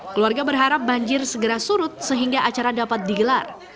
keluarga berharap banjir segera surut sehingga acara dapat digelar